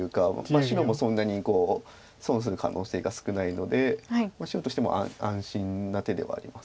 白もそんなに損する可能性が少ないので白としても安心な手ではあります。